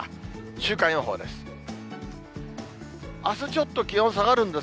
週間予報です。